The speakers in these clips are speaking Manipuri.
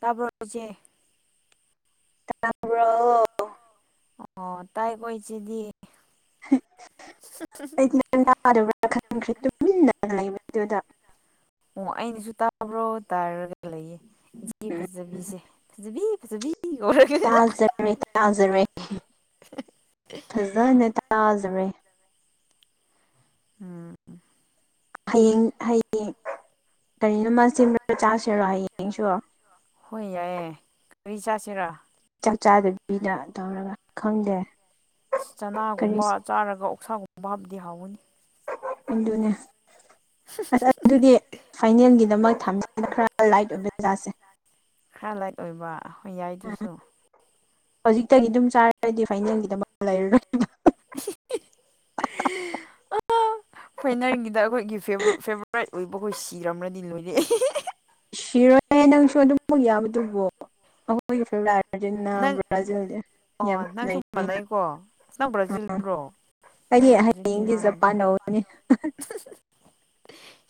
ꯇꯥꯕ ꯎꯆꯦ ꯇꯥꯝꯕ꯭ꯔꯣ ꯑꯣ ꯇꯥꯏ ꯀꯣꯏꯁꯤꯗꯤ ꯑꯩ ꯇꯗꯕ꯭ꯔꯥ ꯈꯟꯈ꯭ꯔꯦ ꯇꯃꯤ ꯂꯩꯕ ꯑꯗꯨꯗ ꯑꯣ ꯑꯩꯅꯁꯨ ꯇꯥꯕ꯭ꯔꯣ ꯇꯥꯔꯒ ꯂꯩꯌꯦ ꯏꯆꯦ ꯎꯝ ꯐꯖꯕꯤꯁꯦ ꯐꯕꯤ ꯐꯖꯕꯤ ꯀꯧꯔꯒ ꯇꯥꯖꯔ ꯇꯥꯖꯔ ꯐꯖ ꯇꯥꯖꯔ ꯎꯝ ꯍꯌꯦꯡ ꯍꯌꯦꯡ ꯀꯔꯤꯅꯣ ꯃꯥ ꯁꯦꯝ ꯆꯁꯤꯔꯣ ꯍ ꯌꯦꯡꯁꯨ ꯔꯤ ꯆꯥꯁꯤꯔꯣ ꯃꯆꯥꯗꯨꯕꯤꯗ ꯇꯧꯔꯒ ꯈꯪꯗꯦ ꯑ ꯀꯔꯤ ꯆꯅꯥꯒꯨꯝꯕ ꯆꯥꯔꯒ ꯑꯣꯛꯁꯥꯒꯨꯝꯕ ꯍꯥꯞꯕꯗꯤ ꯍꯥꯎꯒꯅꯤ ꯍꯗꯨꯅꯦ ꯑꯁ ꯑꯗꯨꯗꯤ ꯐꯥꯏꯅꯦꯜꯒꯤꯗꯃꯛ ꯊꯥꯏꯂꯦꯟꯒꯤꯅ ꯃꯣꯏ ꯊꯝꯖꯈ꯭ꯔꯥ ꯊꯝꯕꯅꯤꯅ ꯂꯥꯏꯠ ꯈꯔ ꯑꯣꯏꯕ ꯖꯥꯁꯦ ꯈꯔ ꯂꯥꯏꯛ ꯑꯣꯏꯕꯣꯏ ꯌꯥꯏꯗꯨꯁꯨ ꯍꯧꯖꯤꯛꯇꯒꯤ ꯑꯗꯨꯝ ꯆꯥꯔꯗꯤ ꯐꯥꯏꯅꯦꯜꯒꯤꯗꯃꯛꯛꯇ ꯂꯩꯔꯔꯣꯏ ꯑ ꯐꯣꯏꯅꯔꯒꯤꯗ ꯑꯩꯈꯣꯏ ꯑꯩꯒꯤ ꯐꯦꯚꯣꯔꯥꯏꯠ ꯑꯣꯏꯕ ꯑꯩꯈꯣꯏ ꯁꯤꯔꯝꯅꯗꯤ ꯂꯣꯏꯔꯑ ꯅꯪꯁꯨ ꯑꯗꯨꯝ ꯌꯥꯕꯗꯨꯕꯣ ꯌꯥꯝꯕꯗꯨꯕꯨ ꯑꯩꯈꯣꯏꯒꯤ ꯑꯔꯖꯦꯟꯇꯤꯅꯥ ꯅꯪ ꯭ꯔꯥꯖꯤꯜ ꯌꯥꯝ ꯑꯣ ꯅꯪꯁꯨ ꯃꯥꯟꯅꯩꯀꯣ ꯅꯪ ꯑ ꯕ꯭ꯔꯥꯖꯤꯜꯔꯣ ꯀꯔꯤ ꯑꯩꯗꯤ ꯍꯌꯦꯡꯒꯤ ꯑꯥꯔꯖꯦꯟꯇꯤꯅꯥꯅꯤ ꯆꯞꯄꯥꯟꯅꯧꯅꯤ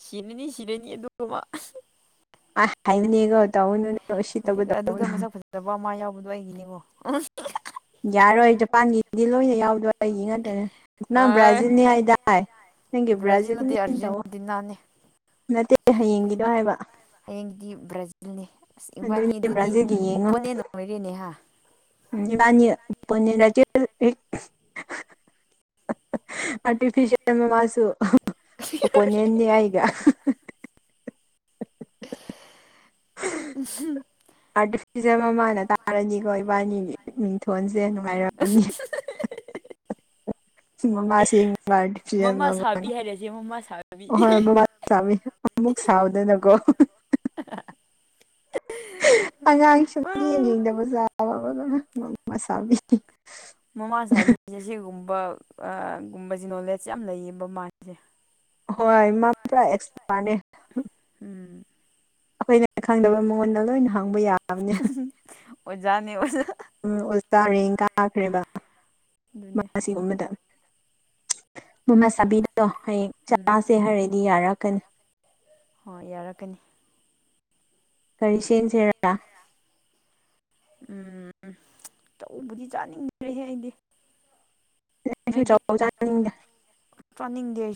ꯁꯤꯔꯅꯤ ꯁꯤꯔꯅꯤ ꯑꯗꯨꯃ ꯑ ꯍꯥꯏꯅꯤꯒ ꯑꯗꯨꯗ ꯃꯁꯛ ꯐꯖꯕ ꯑꯃ ꯌꯥꯎꯕꯗꯣ ꯑꯩꯒꯤꯅꯦꯉꯣ ꯌꯥꯔꯣꯏ ꯖꯄꯥꯟꯒꯤꯗꯤ ꯂꯣꯏꯅ ꯌꯥꯎꯗꯣꯏ ꯑꯩꯒꯤ ꯉꯥꯛꯇꯅꯦ ꯅꯪ ꯑꯥꯏ ꯕ꯭ꯔꯥꯖꯤꯜꯅꯤ ꯍꯥꯏꯗꯥꯏ ꯅꯪꯒꯤ ꯕ꯭ꯔꯥꯖꯤꯜ ꯅꯠꯇꯦ ꯃꯤ ꯇꯧꯑꯣ ꯑꯥꯔꯖꯦꯟꯇꯤꯅꯥꯅꯦ ꯅꯠꯇꯦ ꯍꯌꯦꯡꯒꯤꯗ ꯍꯥꯏꯕ ꯍꯌꯦꯡꯗꯤ ꯕ꯭ꯔꯥꯖꯤꯜꯅꯦ ꯑꯁ ꯏꯪꯕꯥꯅꯤ ꯑꯗꯨꯅꯦ ꯑꯗꯨꯗꯤ ꯕ꯭ꯔꯥꯖꯤꯜꯒꯤ ꯑꯣꯄꯣꯅꯦꯟ ꯂꯩꯔꯦꯅꯦꯍꯥ ꯄꯅꯤ ꯄꯅꯤꯔ ꯑꯔꯇꯤꯐꯤꯤꯁꯜ ꯃꯃꯁꯨ ꯑꯣ ꯄꯣꯅꯤꯅꯤ ꯑꯩꯒ ꯎꯝ ꯁꯤꯁꯦ ꯃꯃꯥꯅ ꯇꯥꯔꯅꯤꯀꯣ ꯏꯕꯥꯅꯤ ꯎꯝ ꯊꯣꯟꯁꯦ ꯅꯨꯡꯉꯥꯏꯔꯝꯃꯤ ꯁꯃ ꯃꯥꯁꯦ ꯃꯥꯇ ꯃꯃꯥ ꯁꯥꯕꯤ ꯑꯗꯨꯕ ꯍꯥꯏꯔꯁꯦ ꯃꯃꯥ ꯁꯥꯕꯤ ꯍꯣꯏ ꯃꯃꯥ ꯆꯥꯎꯃꯤ ꯑꯃꯨꯛ ꯁꯥꯎꯗꯅꯀꯣ ꯑꯉꯥꯡ ꯁꯨꯝ ꯌꯦꯡ ꯌꯦꯗꯕꯖꯥꯔ ꯑꯋꯥ ꯃꯁꯥꯕꯤ ꯃꯃꯥ ꯁꯥꯕꯤꯁꯦ ꯁꯤꯒꯨꯝꯕ ꯒꯨꯝꯕꯁꯦ ꯅꯣꯂꯦꯖꯁꯦ ꯌꯥꯝ ꯂꯩꯌꯦ ꯃꯃꯁꯦ ꯍꯣꯏꯃ ꯄ꯭ꯔ ꯑꯦꯛꯁꯄꯅꯦꯦꯠ ꯎꯝ ꯑꯩꯈꯣꯏꯅ ꯈꯪꯗꯕ ꯃꯉꯣꯟꯗ ꯂꯣꯏꯅ ꯍꯥꯡꯕ ꯌꯥꯔ ꯑꯣꯖꯥꯅꯤ ꯑꯣꯖꯥ ꯎꯝ ꯑꯣꯖꯥꯔꯦꯡ ꯀꯥꯈ꯭ꯔꯦꯕ ꯃꯥ ꯑꯗꯨꯅꯦ ꯁꯤꯒꯨꯝꯕꯗ ꯃꯃꯁꯕꯤꯗꯨꯗꯣ ꯍꯌꯦꯡ ꯎꯝ ꯆꯥꯁꯦ ꯍꯥꯏꯔꯗꯤ ꯌꯥꯔꯛꯀꯅꯤ ꯍꯣꯏ ꯌꯥꯔꯛꯀꯅꯤ ꯀꯔꯤꯁꯦ ꯆꯔꯔ ꯎꯝ ꯆꯧꯕꯗꯤ ꯆꯥꯅꯤꯡꯗ꯭ꯔꯦꯍꯦ ꯑꯩꯗꯤ ꯁꯨ ꯅꯣꯏꯗꯤ ꯆꯥꯎ ꯆꯅꯤꯡ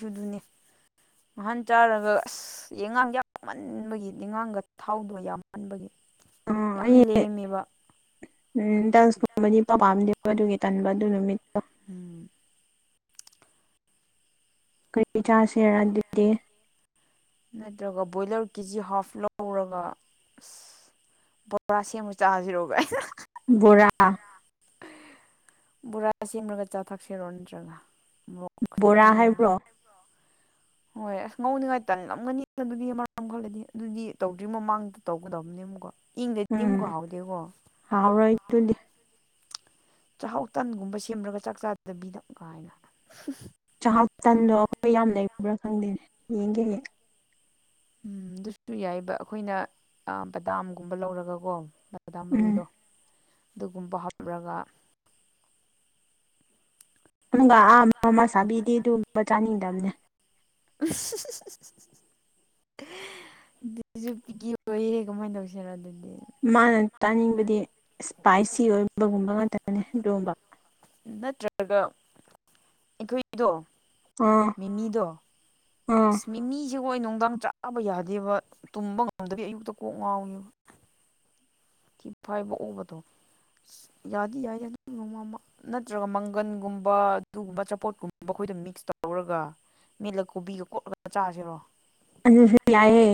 ꯁꯨꯗꯨꯅꯤ ꯃꯍꯍꯥꯟ ꯆꯥꯔꯒ ꯑꯁ ꯌꯦꯟꯉꯥꯡ ꯌꯥꯝꯃꯟꯕꯒꯤ ꯌꯦꯉꯥꯡꯒ ꯊꯥꯎꯗꯣ ꯌꯥꯝꯃꯟꯕꯒꯤ ꯌꯥꯝ ꯑꯩ ꯂꯦꯝꯃꯦꯕ ꯎꯝ ꯗꯗꯥꯟꯁꯀꯨꯝꯕꯗꯤ ꯄ ꯄꯥꯝꯗꯦꯕ ꯑꯗꯨꯒꯤ ꯇꯟꯕ ꯑꯗꯨ ꯅꯨꯃꯤꯠꯇꯣ ꯎꯝ ꯀꯔꯤ ꯆꯥꯁꯤꯔꯛ ꯗꯦ ꯅꯠꯇ꯭ꯔꯒ ꯕꯣꯏꯂꯔ ꯀꯦꯖꯤ ꯍꯥꯐ ꯂꯧꯔꯒ ꯑꯁ ꯕꯣꯔꯥ ꯁꯦꯝꯃꯨ ꯆꯖꯤꯔꯣꯒ ꯣꯔꯥ ꯕꯣꯔꯥ ꯁꯦꯝꯃꯒ ꯆꯥꯊꯛꯁꯤꯔꯣ ꯅꯠꯇ꯭ꯔꯒ ꯃꯣꯔꯣꯛ ꯈꯖꯅ ꯕꯣꯔꯥ ꯃꯦꯠꯂꯒ ꯍꯥꯏꯕ꯭ꯔꯣ [unintelligible] ꯍꯣꯏ ꯑꯁ ꯉꯧꯅꯤꯡꯉꯥꯏ ꯇꯟꯂꯝꯒꯅꯤ ꯑꯗꯨꯗꯤ ꯃꯔꯥꯝ ꯈꯜꯂꯗꯤ ꯑꯗꯨꯗꯤ ꯇꯧꯗ꯭ꯔꯤꯩ ꯃꯃꯥꯡꯗ ꯇꯧꯒꯗꯕꯅꯦꯕꯀꯣ ꯎꯝ ꯏꯤꯡꯗꯗꯤꯝꯒꯍꯥꯎꯗꯤꯦꯀꯣ ꯍꯥꯎꯔꯣꯏ ꯑꯗꯨꯗꯤ ꯆꯥꯛꯍꯥꯎ ꯇꯟꯒꯨꯝꯕ ꯁꯦꯝꯃꯒ ꯆꯥꯛ ꯆꯥꯗꯕꯤꯗ ꯀꯥꯏꯅ ꯆꯍꯥꯛ ꯇꯟꯗꯣ ꯑꯩꯈꯣꯏ ꯌꯥꯝ ꯂꯩꯕ꯭ꯔꯥ ꯈꯪꯗꯦꯅꯦ ꯌꯦꯡꯒꯦ ꯎꯝ ꯑꯗꯨꯁꯨ ꯌꯥꯏꯕ ꯑꯩꯈꯣꯏꯅ ꯕꯗꯥꯝꯒꯨꯝꯕ ꯂꯧꯔꯒ ꯀꯣ ꯗꯥ ꯎꯝ ꯃꯔꯨꯗꯣ ꯑꯗꯨꯒꯨꯝꯕ ꯍꯥꯞꯔꯒ ꯑꯗꯨꯒ ꯑꯥ ꯑꯃ ꯑꯃ ꯁꯥꯕꯤꯗꯤ ꯑꯗꯨꯕ ꯆꯥꯅꯤꯡꯗꯕꯅꯦ [unintelligible] ꯑꯗꯨꯁꯨ ꯄꯤꯀꯤ ꯑꯣꯏꯔꯦ ꯀꯃꯥꯏꯅ ꯇꯧꯁꯤꯅꯣ ꯑꯗꯨꯗꯤ ꯃꯥꯅ ꯇꯥꯅꯤꯡꯕꯗꯤ ꯏꯁꯄꯥꯏꯁꯤ ꯑꯣꯏꯕꯒꯨꯝꯕ ꯉꯥꯛꯇꯅꯤ ꯑꯗꯨꯒꯕ ꯅꯠꯇ꯭ꯔꯒ ꯑꯩꯈꯣꯏꯗꯣ ꯑꯥ ꯃꯤꯃꯤꯗ ꯑꯥ ꯃꯤꯃꯤꯃꯤ ꯌ ꯍꯣꯏ ꯅꯨꯡꯗꯥꯡ ꯆꯥꯕ ꯌꯥꯗꯦꯕ ꯇꯨꯝꯕ ꯉꯝꯗꯕꯤ ꯑꯌꯨꯛꯇ ꯀꯣꯛ ꯉꯥꯎꯋꯕ ꯐꯥꯏꯕ ꯎꯕꯗꯣ ꯌꯥꯗꯤ ꯌꯥꯏ ꯅꯠꯇ꯭ꯔꯒ ꯃꯪꯒꯟꯒꯨꯝꯕ ꯑꯗꯨꯒꯨꯝꯕ ꯆꯆꯥꯄꯣꯠꯀꯨꯝꯕ ꯑꯩꯈꯣꯏꯗ ꯃꯤꯛꯁ ꯇꯧꯔꯒ ꯃꯤꯠꯂ ꯀꯣꯕꯤꯒ ꯀꯣꯠꯂꯒ ꯆꯥꯁꯤꯔꯣ ꯑꯗꯨꯁꯨ ꯌꯥꯏꯑꯦ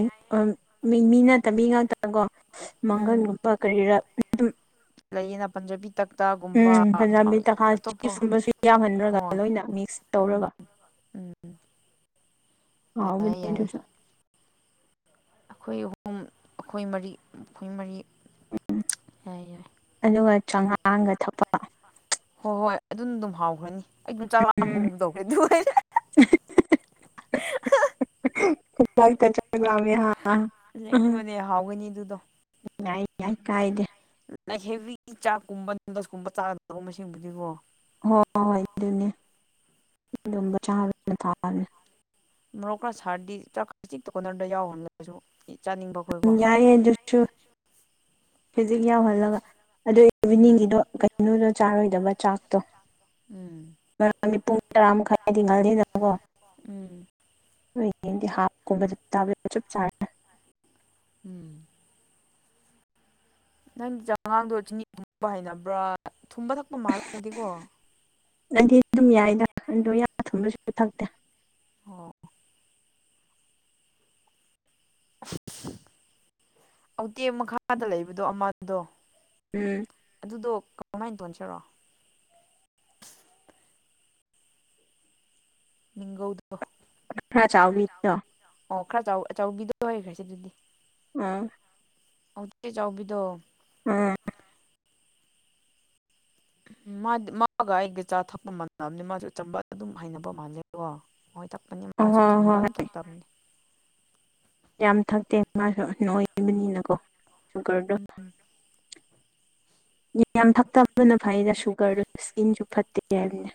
ꯃꯤ ꯃꯤ ꯅꯠꯇꯕꯕꯤ ꯉꯥꯛꯇꯅꯀꯣ ꯃꯒꯟ ꯄ ꯀꯍꯤꯔ ꯂꯩꯌꯦꯅꯅꯥ ꯄꯟꯗ ꯄ ꯇꯥꯛꯇꯥꯒꯨꯝꯕ ꯄꯟꯖꯥꯕꯤ ꯑꯃꯗꯤ ꯇꯀꯥ ꯑꯇꯣꯞꯄ ꯆꯤꯞꯁꯀꯨꯝꯕꯁꯨ ꯌꯥꯎꯍꯟꯗ꯭ꯔꯒ ꯍꯣꯏ ꯂꯣꯏꯅ ꯃꯤꯛꯁ ꯎꯝ ꯇꯧꯔꯒ ꯎꯝ ꯍꯥꯎꯕꯅꯦ ꯌꯥꯔꯦ ꯌꯥꯔꯦ ꯑꯗꯨꯁꯨ ꯑꯩꯈꯣꯏ ꯑꯍꯨꯝ ꯑꯩꯈꯣꯏ ꯃꯔꯤ ꯑꯩꯈꯣꯏ ꯃꯔꯤ ꯌꯥꯏ ꯌꯥꯏ ꯆꯥꯉꯥꯒ ꯊꯛꯄ ꯍꯣꯏ ꯍꯣꯏ ꯑꯗꯨꯅ ꯑꯗꯨꯝ ꯍꯥꯎꯈ꯭ꯔꯅꯤ ꯑꯩꯩꯅ ꯆꯥꯛ ꯎꯝ ꯂꯥꯝꯕꯒꯨꯝ ꯇꯧꯒꯦ ꯑꯗꯨ ꯒꯃꯦ ꯍꯥ ꯎ ꯑꯁꯦꯡꯕꯅꯦ ꯍꯥꯎꯒꯅꯤ ꯑꯗꯨꯗꯣ ꯌꯥꯏ ꯌꯥꯏ ꯀꯥꯏꯗꯦ ꯅ ꯍꯦꯚ ꯆꯥꯛꯀꯨꯝꯕ ꯅꯗꯁꯀꯨꯝꯕ ꯆꯥꯒꯗꯧꯕꯕꯨꯗꯤꯀꯣ ꯍꯣꯏ ꯍꯣꯏ ꯍꯣꯏ ꯑꯗꯨꯅꯦ ꯑꯗꯨ ꯆꯥꯅ ꯊꯥꯦ ꯃꯔꯣꯛꯀꯔꯥ ꯁꯥꯔꯗꯤ ꯆ ꯆꯤꯛꯇ ꯀꯣꯅꯔꯗ ꯌꯥꯎꯈ꯭ꯔꯁꯨ ꯌꯥꯏꯦ ꯁꯨ ꯍꯧꯖꯤꯛ ꯌꯥꯎꯍꯜꯂꯒ ꯑꯗꯨ ꯏꯚꯤꯅꯤꯡꯒꯤꯗꯣ ꯀꯩꯅꯣꯗꯣ ꯆꯥꯔꯣꯏꯗꯕ ꯆꯥꯛꯇꯣ ꯥꯡ ꯄꯨꯡ ꯇꯔꯥ ꯃꯈꯥꯏ ꯍꯥꯏꯗꯤ ꯉꯊꯗꯅꯀꯣ ꯍ ꯌꯦꯡꯗꯤ ꯍꯥꯞꯀꯨꯝꯕꯗ ꯇꯥꯕ ꯆꯞ ꯆꯥꯔꯦ ꯎꯝ ꯅꯪ ꯆꯉꯥꯡꯗꯣ ꯆꯤꯅꯤꯨꯝꯕ ꯍꯅꯕ꯭ꯔꯥ ꯊꯨꯝꯕ ꯊꯛꯄ ꯃꯥꯜꯂꯂꯗꯦꯀꯣ ꯅꯪꯗꯤ ꯑꯗꯨꯝ ꯌꯥꯏꯗ ꯑꯗꯣ ꯌꯥꯝ ꯊꯨꯝꯕꯁꯨ ꯊꯛꯇꯦ ꯑꯣ ꯑꯇꯦꯛ ꯃꯈꯥꯗ ꯂꯩꯕꯗꯣ ꯑꯃꯜꯗꯣ ꯎꯝ ꯑꯗꯨꯗꯣ ꯀꯃꯍꯥꯏꯅ ꯇꯣꯟꯁꯤꯔꯣ ꯅꯤꯡꯧꯗ ꯑ꯭ꯔ ꯆꯥꯎꯃꯤꯠꯇ ꯑꯣ ꯈꯔ ꯆꯥꯎꯤꯗꯣ ꯑꯣꯏꯈ꯭ꯔꯦ ꯁꯤ ꯑꯗꯨꯗꯤ ꯑꯥ ꯍꯧꯖꯤꯛ ꯆꯥꯎꯕꯤꯗꯣ ꯑꯝ ꯃꯥꯗꯤ ꯃꯥꯒ ꯑꯩꯗꯤ ꯆꯥ ꯊꯛꯄ ꯃꯥꯟꯅꯕꯅꯤ ꯃꯥꯁꯨ ꯑꯆꯝꯕ ꯑꯗꯨꯝ ꯍꯩꯅꯅꯕ ꯃꯥꯟꯖꯀꯣ ꯊꯛꯄꯅꯤ ꯑꯣ ꯃꯥꯁꯨ ꯍꯣꯏ ꯊꯨꯝꯕ ꯍꯣꯏ ꯍꯣꯏ ꯌꯥꯝ ꯊꯛꯇꯕꯅꯤ ꯌꯥꯝ ꯊꯛꯇꯦ ꯌꯥꯝ ꯃꯥꯁꯨ ꯊꯛꯇꯦ ꯅ ꯃꯥꯁꯨ ꯑꯣꯏꯕꯅꯤꯅꯀꯣ ꯅꯣꯏꯕꯅꯤꯅꯀꯣ ꯁꯨꯒꯔꯗꯣ ꯎꯝ ꯌꯥꯝ ꯊꯛꯇꯕꯅ ꯐꯩꯗ ꯁꯨꯒꯔꯗꯨ ꯏꯁꯀꯤꯟꯁꯨ ꯐꯠꯇꯦ ꯍꯥꯏꯕꯅꯦ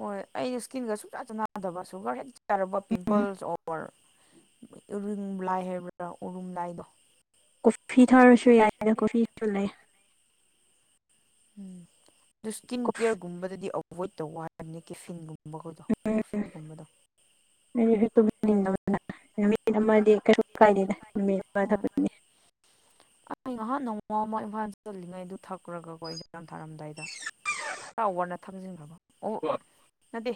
ꯍꯣꯏ ꯑꯩꯩꯅ ꯏꯁꯀꯤꯟꯒ ꯁꯨꯡꯆ ꯆ ꯅꯥꯗꯕ ꯁꯨꯒꯔ ꯍꯦꯛ ꯆꯥꯔꯕ ꯎꯝ ꯄꯤꯝꯄꯜꯁ ꯑꯣꯔ ꯏꯔꯤꯡ ꯂꯥꯏ ꯍꯥꯏꯕ꯭ꯔꯥ ꯎꯔꯨꯝ ꯂꯥꯏꯗꯣ ꯀꯣꯐꯤ ꯊꯥꯔꯁꯨ ꯌꯥꯏꯅ ꯀꯣꯐꯤꯁꯨ ꯂꯩ ꯎꯝ ꯑꯗꯨ ꯏꯁꯀꯤꯟ ꯀꯦꯌꯔꯒꯨꯝꯕꯗꯗꯤ ꯑꯚꯣꯏꯗ ꯇꯧꯕ ꯍꯥꯏꯅꯤ ꯀꯤꯐꯤꯟꯒꯨꯝ ꯕꯒꯗ ꯑꯣꯐꯤꯁꯒꯨꯝꯕꯗ ꯃꯤ ꯑꯃꯗꯤꯩꯅ ꯑꯃꯗꯤ ꯍꯣꯏ ꯑ ꯉꯍꯥꯛ ꯅꯣꯡ ꯑꯦꯗꯚꯥꯟ ꯆꯂꯤꯉꯩꯗꯨ ꯊꯛꯈ꯭ꯔꯒꯀꯣ ꯏꯟꯖꯥꯔꯝ ꯊꯥꯔꯝꯗꯥꯏꯗ ꯈꯔ ꯑꯋꯥꯔꯅ ꯊꯝꯖꯤꯟꯈ꯭ꯔꯕꯣ ꯑꯣ ꯅꯗꯦ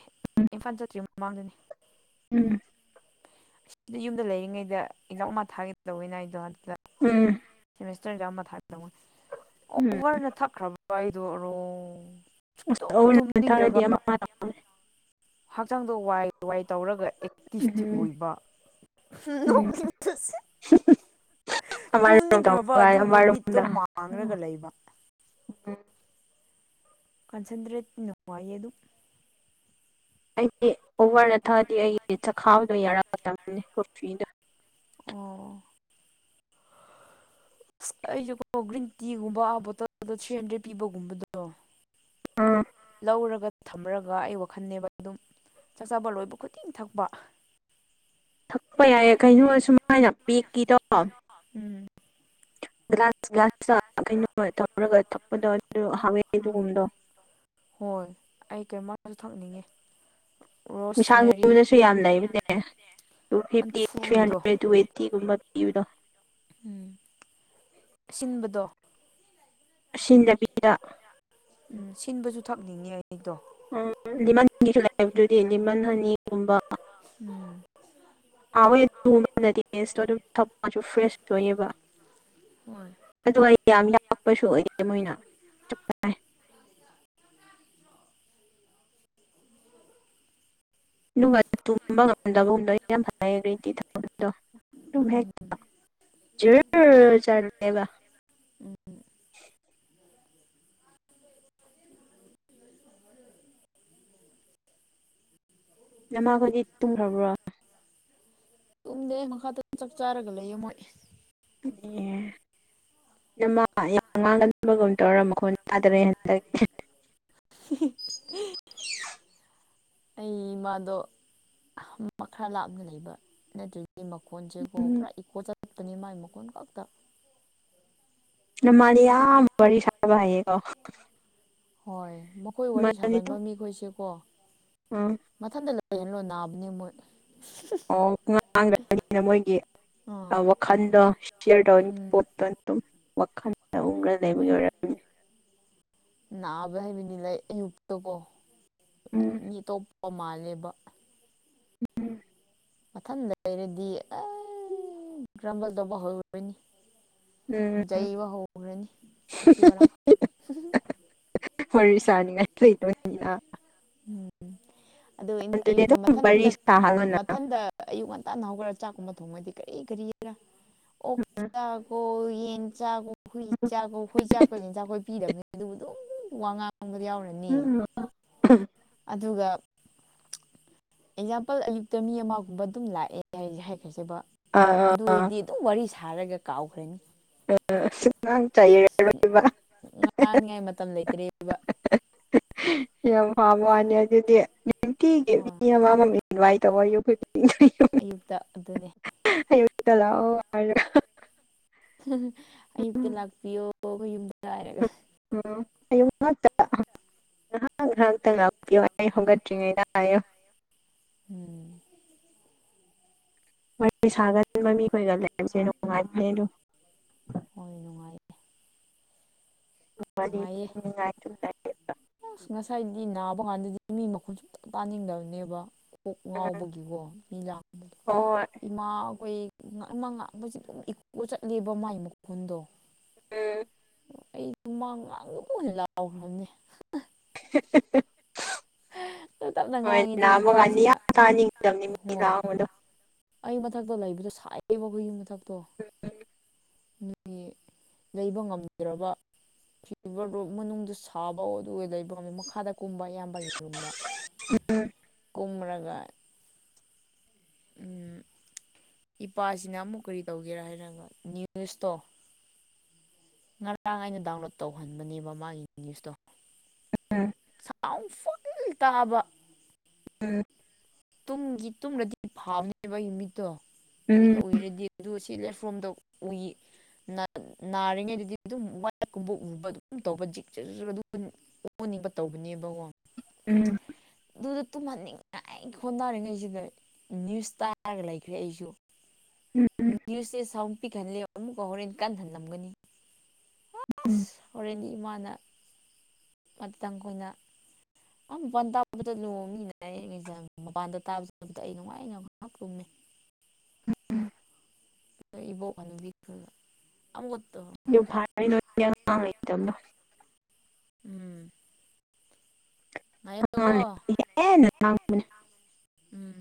ꯏꯝꯐꯥꯜ ꯆꯠꯇ꯭ꯔꯤꯩ ꯃꯃꯥꯡꯗꯅꯤ ꯎꯝ ꯎꯝ ꯑꯁꯤꯗꯤ ꯌꯨꯝꯗ ꯂꯩꯔꯤꯉꯩꯗ ꯏꯖꯎ ꯃ ꯊꯥꯒꯦ ꯇꯧꯋꯤꯅ ꯑꯩꯗꯣ ꯑꯗꯨꯗ ꯎꯝ ꯁꯦꯃꯤꯁꯇꯔ ꯑꯃ ꯊꯥ ꯎꯝ ꯑꯣꯚꯔꯅ ꯊꯛꯈ꯭ꯔꯕ꯭ꯔ ꯑꯩꯗꯣꯔꯣ ꯑꯁ ꯑ ꯊꯥꯔꯗꯤ ꯑꯃ ꯍꯛꯆꯥꯡꯗꯣ ꯋꯥꯏ ꯋꯥꯏ ꯇꯧꯔꯒ ꯑꯦꯛꯇꯤꯤꯁꯇꯤ ꯎꯝ ꯑꯣꯏꯕ ꯎꯝ [unintelligible] ꯑꯃꯔꯣꯝ ꯇꯨꯝꯅꯤꯡꯈ꯭ꯔꯕ ꯇꯧꯕ ꯑꯗꯨꯕꯨ ꯃꯤꯠꯇꯣ ꯑꯃꯔꯣꯝꯗ ꯄꯥꯡꯂꯒ ꯂꯩꯕ ꯑꯣ ꯀꯟꯁꯦꯟꯇ꯭ꯔꯦꯠ ꯅꯨꯡꯉꯥꯏ ꯑꯗꯨ ꯑꯩꯗꯤ ꯑꯣꯚꯔꯅ ꯊꯛꯑꯗꯤ ꯑꯩꯒꯤ ꯆꯈꯥꯎꯗꯣ ꯌꯥꯔꯛꯄ ꯃꯇꯝꯅꯦ ꯀꯣꯐꯤꯗ ꯑꯣ ꯑꯁ ꯑꯩꯁꯨ ꯀꯣ ꯒ꯭ꯔꯤꯟ ꯇꯤꯒꯨꯝꯕ ꯑꯥ ꯕꯣꯇꯜꯗ ꯊ꯭ꯔꯤ ꯍꯟꯗ꯭ꯔꯦꯗ ꯄꯤꯕꯒꯨꯝꯕꯗꯣ ꯑꯥ ꯇꯧꯔꯒ ꯊꯝꯃꯔꯒ ꯑꯩ ꯋꯥꯈꯜꯅꯦꯦꯕ ꯑꯗꯨꯝ ꯆꯥꯛꯆꯥꯥꯕ ꯂꯣꯏꯕ ꯈꯨꯗꯤꯤꯡ ꯊꯛꯄ ꯊꯛꯄ ꯌꯥꯏꯦ ꯀꯩꯅꯣ ꯁꯨꯃꯥꯏꯅ ꯄꯦꯛꯀꯤꯗꯣ ꯭ꯂꯥꯁ ꯭ꯂꯥꯁ ꯀꯩꯅꯣ ꯍꯧꯔꯒ ꯊꯛꯄꯗ ꯑꯗꯨ ꯍꯋꯦ ꯎꯝ ꯑꯗꯨꯒꯒꯨꯝꯗꯣ ꯊꯝꯍꯅꯤꯡꯉꯤ ꯃꯤꯁꯥꯡꯒꯨꯝꯕꯗꯁꯨ ꯌꯥꯝ ꯂꯩꯕꯅꯦ ꯇ ꯐꯤꯞꯇꯤ ꯊ꯭ꯔꯤ ꯑꯟꯐꯨꯒꯤꯗꯣ ꯍꯟꯗ꯭ꯔꯦꯠ ꯇꯨ ꯑꯩꯠꯇꯤꯒꯨꯝꯕ ꯄꯤꯌꯨꯅꯣ ꯎꯝ ꯑꯁꯤꯟꯕꯗꯣ ꯁꯤꯁꯤꯡꯖ ꯎꯝ ꯁꯤꯟꯕꯁꯨ ꯊꯛꯅꯤꯡꯉꯤ ꯍꯥꯏ ꯎꯝ ꯂꯤꯃꯟ ꯍꯁꯨ ꯂꯥꯛꯑꯦꯕ ꯑꯗꯨꯗꯤ ꯂꯤꯃꯟ ꯍꯅꯤꯒꯨꯝꯕ ꯎꯝ ꯑ ꯍꯣꯏ ꯇꯨꯃꯅꯗꯤꯦꯁꯇꯣ ꯑꯗꯨꯝ ꯊꯁꯨ ꯐ꯭ꯔꯦꯁ ꯊꯣꯛꯑꯦꯕ ꯍꯣꯏ ꯑꯗꯨ ꯑꯩ ꯌꯥꯝ ꯌꯥꯔꯛꯄꯁꯨ ꯑꯩ ꯃꯣꯏꯅ ꯆꯥꯏ ꯅꯨꯡ ꯇꯨꯝꯕ ꯉꯝꯗꯕꯒꯨꯝꯗꯣ ꯌꯥꯝ ꯐꯖꯩꯌꯦ ꯒ꯭ꯔꯤꯟ ꯇꯤ ꯊꯗꯣ ꯇꯦꯛ ꯎꯝ ꯖꯔ ꯆꯕ ꯎꯝ ꯅꯃꯥꯈꯣꯏꯗꯤ ꯇꯨꯝꯈ꯭ꯔꯕ꯭ꯔꯣ ꯇꯨꯝꯗꯦ ꯃꯈꯥ ꯇ ꯆꯥꯛ ꯆꯥꯔꯒ ꯂꯩꯌꯦ ꯃꯣꯏ ꯑꯦ ꯅꯃ ꯌꯥꯝ ꯉꯥꯡꯅꯅꯕꯒꯨꯝ ꯇꯧꯔ ꯃꯈꯣꯟ ꯇꯥꯗ꯭ꯔꯩ ꯍꯟꯗꯛꯦ [unintelligible] ꯑꯩꯃꯗ ꯈꯔ ꯂꯥꯞꯅ ꯂꯩꯕ ꯑꯗꯨꯠꯇꯗꯤ ꯃꯈꯣꯟꯁꯦꯀꯣ ꯎꯝ ꯄꯨꯔꯥ ꯏꯀꯣ ꯆꯠꯂꯄꯅꯤ ꯃꯥꯏ ꯃꯈꯣꯟ ꯀꯛꯇ ꯅ ꯃꯥꯅ ꯌꯥꯝ ꯋꯥꯔꯤ ꯁꯥꯕ ꯍꯥꯏꯌꯦꯀꯣ ꯍꯣꯏ ꯃꯈꯣꯏ ꯋꯥꯔꯤ ꯁꯥꯒꯟꯕ ꯃꯤꯈꯣꯏꯁꯦ ꯀꯣ ꯎꯝ ꯇꯩꯅꯂꯣ ꯅꯥꯕꯅꯤ ꯃꯣꯏ ꯑꯣ ꯉꯥꯡꯗ꯭ꯔꯕꯅꯤꯅ ꯃꯣꯏꯒꯤ ꯑꯥ ꯑ ꯋꯥ ꯈꯟꯗꯤꯔꯎꯟ ꯎꯝ ꯍꯇ ꯇ ꯋꯥꯈꯜ ꯇꯅ ꯂꯩꯕꯒꯤ ꯑꯣꯏꯔꯝꯝꯃꯤ ꯅꯥꯕ ꯍꯥꯏꯕꯅꯤ ꯂꯥꯏ ꯑꯌꯨꯛꯇꯀꯣ ꯎꯝ ꯃꯤ ꯑꯇꯣꯞꯄ ꯃꯥꯜꯂꯦꯕ ꯃꯊꯪꯗ ꯂꯩꯔꯗꯤ ꯑ ꯒ꯭ꯔꯝꯕꯜ ꯇꯧꯕ ꯍꯧꯔꯣꯏꯅꯤ ꯎꯝ ꯌꯩꯕ ꯍꯧꯈ꯭ꯔꯅꯤ ꯃꯊꯤ ꯄꯔꯥꯝ ꯋꯥꯔꯤ ꯁꯥꯅꯤꯡꯉꯥꯏ ꯂꯩꯇꯕꯅꯤꯅ ꯎꯝ ꯑꯗꯨ ꯑꯗꯨꯗꯤ ꯑꯌꯨꯛꯇ ꯑꯗꯨꯝ ꯋꯥꯔꯤ ꯃꯊꯟꯗ ꯁꯥꯍꯜꯂꯣꯅ ꯃꯊꯟꯗ ꯑꯌꯨꯛ ꯉ ꯇꯅ ꯍꯧꯈ꯭ꯔꯥ ꯆꯥꯛꯀꯨꯝꯕ ꯊꯣꯡꯉꯗꯤ ꯀꯔꯤ ꯀꯔꯤꯔ ꯑꯣꯛ ꯆꯥꯈꯣ ꯌꯦꯟ ꯆꯥꯈꯣ ꯍꯨꯏ ꯆꯥꯛ ꯍꯨꯏ ꯆꯥꯛꯄꯁꯤ ꯏꯟ ꯆꯥꯛꯈꯣꯏ ꯄꯤꯗꯕꯅꯤ ꯑꯗꯨꯕꯨ ꯑꯗꯨꯝ ꯋꯥꯉꯥꯡ ꯃꯗ ꯌꯥꯎꯔꯅꯤ ꯎꯝ ꯑꯗꯨꯒ ꯑꯦꯛꯖꯥꯝꯄꯜ ꯑꯌꯨꯛꯇ ꯃꯤ ꯑꯃꯒꯨꯝꯕ ꯑꯗꯨꯝ ꯂꯥꯛꯑꯦ ꯍꯥꯏꯈ꯭ꯔꯁꯦꯕ ꯑꯗꯨ ꯑꯣꯏꯏꯗꯤ ꯑꯗꯨꯝ ꯋꯥꯔꯤ ꯁꯥꯔꯒ ꯀꯥꯎꯈ꯭ꯔꯅꯤ ꯑ [unintelligible] ꯉꯥꯡꯅꯤꯉꯥꯏ ꯃꯇꯝ ꯂꯩꯇ꯭ꯔꯦꯕ ꯌꯥꯝ ꯍꯕ ꯋꯥꯅꯤ ꯑꯗꯨꯗꯤ ꯅꯨꯡꯇꯤꯒꯤ ꯍꯣꯏ ꯃꯤ ꯑꯃꯃ ꯏꯟꯚꯥꯏꯠ ꯇꯧꯕ ꯑꯩꯈ ꯑꯌꯨꯛꯇ ꯑꯗꯨꯅꯦ ꯂꯑꯣꯔ ꯑꯌꯨꯛꯇ ꯂꯥꯛꯄꯤꯌꯣ ꯃꯌꯨꯝꯗ ꯍꯥꯏꯥꯏꯔꯒ ꯑ ꯅꯠꯇ ꯉꯥꯏꯍꯥꯛ ꯉꯥꯏꯍꯥꯛꯇꯪ ꯉꯥꯛꯄꯤꯌꯣ ꯑꯩ ꯍꯧꯣꯒꯠꯇ꯭ꯔꯤꯉꯩꯗ ꯍꯥꯏꯌꯨ ꯎꯝ ꯋꯥꯔꯤ ꯋꯥꯔꯤ ꯁꯥꯒꯟꯕ ꯃꯤꯈꯣꯏꯒ ꯂꯩꯔꯁꯦ ꯅꯨꯡꯉꯥꯏꯕꯅꯦ ꯅꯨꯡꯉꯥꯏ ꯍꯣꯏ ꯅꯨꯡꯉꯥꯏꯌꯦ ꯅꯨꯡꯉꯥꯏꯌꯦ ꯉꯥꯏꯦ ꯑꯁ ꯉꯁꯥꯏꯗꯤ ꯅꯥꯕ ꯀꯥꯟꯗꯗꯤ ꯃꯤ ꯃꯈꯨꯟꯁꯨ ꯑꯝꯇꯪ ꯇꯥꯅꯤꯡꯗꯕꯅꯦꯕ ꯀꯣꯛ ꯍꯣꯏ ꯉꯥꯎꯕꯒꯤꯀꯣ ꯃꯤ ꯂꯥꯡꯝꯕꯗ ꯍꯣꯏ ꯏꯃꯥ ꯑꯩꯈꯣꯏ ꯉ ꯑꯃ ꯉꯥꯡꯁ ꯑꯗꯨꯝ ꯏꯀꯄ ꯆꯠꯂꯦꯕ ꯃꯥꯏ ꯃꯈꯨꯟꯗꯣ ꯎꯝ ꯑꯩ ꯇꯨꯃꯥꯡ ꯉꯥꯡꯕꯕꯨ ꯑꯣꯏꯅ ꯂꯥꯎꯈ꯭ꯔꯕꯅꯦ [unintelligible] ꯇꯞ ꯇꯞꯅ ꯍꯣꯏ ꯉꯥꯡꯉꯤ ꯂ ꯑꯗꯨꯒ ꯑꯃꯀꯥꯟ ꯏꯄꯥꯁꯤꯅ ꯌꯥꯝ ꯇꯥꯅꯤꯡꯒꯗꯕꯅꯤ ꯃꯤ ꯍꯣꯏ ꯂꯥꯡꯕꯗꯣ ꯑꯩ ꯃꯊꯛꯇꯣ ꯂꯩꯕꯗꯣ ꯁꯥꯏꯌꯦꯕ ꯑꯩꯈꯣꯏꯒꯤ ꯃꯊꯛꯇꯣ ꯎꯝ ꯅꯒꯤ ꯂꯩꯕ ꯉꯝꯗ꯭ꯔꯕ ꯐꯤꯚꯔꯗꯨꯣ ꯃꯅꯨꯡꯗꯗꯨ ꯁꯥꯕ ꯑꯗꯨꯒ ꯂꯩꯕ ꯉꯝꯃꯤ ꯃꯈꯥꯗ ꯀꯨꯝꯕ ꯑꯌꯥꯝꯕꯒꯤꯔꯝꯗ ꯎꯝ ꯇꯝꯔꯒꯥꯏ ꯎꯝ ꯏꯄꯥꯁꯤꯅ ꯑꯃꯨꯛ ꯀꯔꯤ ꯇꯧꯒꯦꯔꯥ ꯍꯥꯏꯔꯒ ꯅ꯭ꯌꯨꯁꯇꯣ ꯉꯔꯥꯡ ꯑꯩꯅ ꯗꯥꯎꯟꯂꯣꯠ ꯇꯧꯍꯟꯕꯅꯦꯕ ꯃꯥꯒꯤ ꯅ꯭ꯌꯨꯁꯇꯣ ꯎꯝ ꯁꯥꯎꯟ ꯐꯨꯜ ꯇꯥꯕ ꯎꯝ ꯇꯒꯤ ꯇꯨꯝꯗꯗꯤ ꯐꯥꯕꯅꯦꯕ ꯑꯩꯒꯤ ꯃꯤꯠꯇꯣ ꯀꯨꯏꯅ ꯎꯝ ꯎꯏꯔꯗꯤ ꯑꯗꯨ ꯁꯤ ꯂꯦꯠꯐꯣꯝꯗ ꯎꯏ ꯅꯥꯔꯤꯉꯩꯗꯗꯤ ꯑꯗꯨꯝ ꯋꯥꯛ ꯀꯨꯝꯕ ꯎꯕ ꯑꯗꯨ ꯇꯧꯕ ꯖꯤꯛ ꯇꯅꯦ ꯎꯝ ꯇꯟꯅꯤꯡ ꯐꯣꯟ ꯇꯥꯔꯤꯉꯩꯁꯤꯗ ꯅ꯭ꯌꯨꯁ ꯇꯥꯔꯒ ꯂꯩꯈ꯭ꯔꯦ ꯑꯩꯁꯨ ꯎꯝ ꯎꯝ ꯅꯌꯨꯁꯦ ꯁꯥꯎꯝ ꯄꯤꯍꯥꯟꯂꯦ ꯑꯣ ꯑꯃꯨꯛꯀ ꯍꯣꯔꯦꯟ ꯀꯟꯍꯜꯂꯝꯒꯅꯤ ꯎꯝ ꯑꯁ ꯍꯣꯔꯦꯟ ꯏꯃꯥꯅ ꯑꯗꯨ ꯇꯥꯡꯈꯣꯏꯅ ꯑ ꯃꯄꯥꯟ ꯇꯥꯕꯗ ꯂꯣꯃꯤꯅ ꯃꯄꯥꯟꯗ ꯇꯥꯕ ꯑꯩ ꯅꯨꯡꯉꯥꯏꯩꯅ ꯉꯍꯥꯛ ꯂꯨꯝꯃꯦ [unintelligible] ꯏꯕ ꯑꯃꯒꯠꯇ ꯐꯔ ꯀꯗꯣ [unintelligible] ꯎꯝ ꯍ ꯉꯥꯏꯌꯣꯀꯣ ꯍꯦꯅ [unintelligible] ꯎꯝ